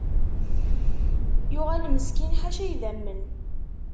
Yuɣal meskin ḥaca idamen.